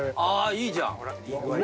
いいじゃん。